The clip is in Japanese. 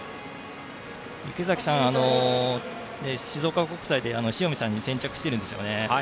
池崎さんは静岡国際で塩見さんに先着しているんですよね。